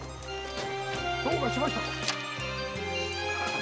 どうかしましたか？